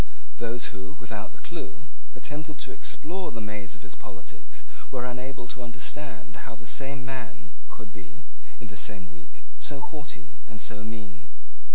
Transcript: Those who, without the clue, attempted to explore the maze of his politics were unable to understand how the same man could be, in the same week, so haughty and so mean.